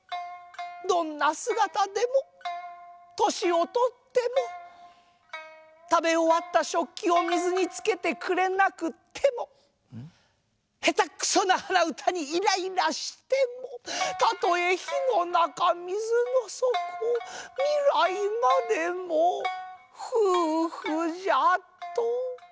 どんなすがたでもとしをとってもたべおわったしょっきを水につけてくれなくってもへたくそなはなうたにイライラしてもたとえ火の中水の底未来までも夫婦じゃと。